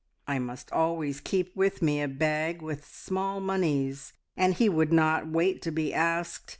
I must always keep with me a bag with small moneys, and he would not wait to be asked.